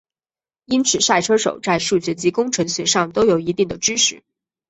因此赛车手在数学及工程学上都有一定的知识。